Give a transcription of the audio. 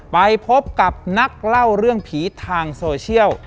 ไปพบกับนักเล่าเรื่องผีทางโซเชียล